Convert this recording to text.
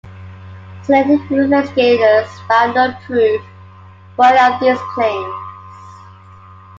Senate investigators found no proof for any of these claims.